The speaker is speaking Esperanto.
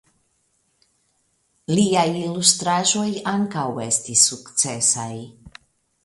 Liaj ilustraĵoj ankaŭ estis sukcesaj.